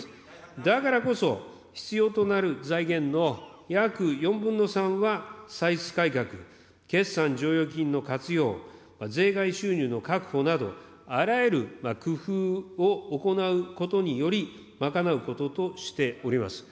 だからこそ、必要となる財源の約４分の３は歳出改革、決算剰余金の活用、税外収入の確保など、あらゆる工夫を行うことにより、賄うこととしております。